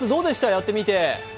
やってみて？